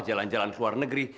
jalan jalan ke luar negeri